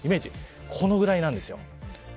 このぐらいなんですよ。